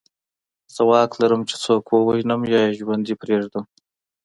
زه واک لرم چې څوک ووژنم یا یې ژوندی پرېږدم